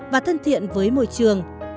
và thân thiện với môi trường